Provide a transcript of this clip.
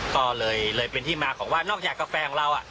ก็เลยเลยเป็นที่มาของว่านอกจากกาแฟของเรา